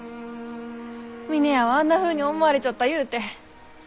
峰屋はあんなふうに思われちょったゆうて。